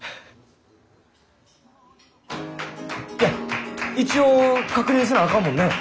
いや一応確認せなあかんもんね